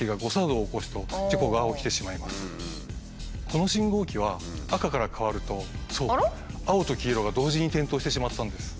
この信号機は赤から変わると青と黄色が同時に点灯してしまったんです。